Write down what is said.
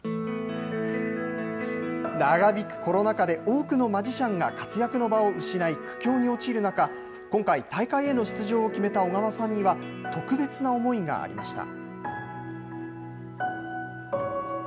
長引くコロナ禍で多くのマジシャンが活躍の場を失い、苦境に陥る中、今回、大会への出場を決めた緒川さんには、特別な思いがありました。